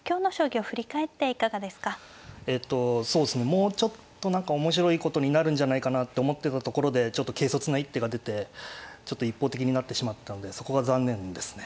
もうちょっと何か面白いことになるんじゃないかなって思ってたところでちょっと軽率な一手が出てちょっと一方的になってしまったんでそこが残念ですね。